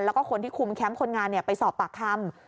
แล้วก็คนที่คุมแคมป์คนงานไปสอบปากคำ